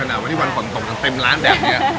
ขนาดวันนี้วันฝนตกกันเต็มร้านแบบเนี่ย